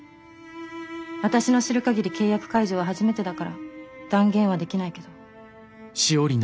私の知るかぎり契約解除は初めてだから断言はできないけど。